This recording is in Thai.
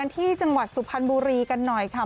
ที่จังหวัดสุพรรณบุรีกันหน่อยค่ะ